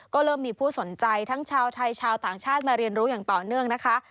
ก็เริ่มมีผู้สนใจทั้งชาวไทยชาวต่างชาติมาเรียนรู้อย่างต่อเนื่องนะคะ